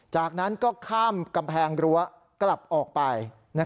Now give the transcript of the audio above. จากนั้นก็ข้ามกำแพงรั้วกลับออกไป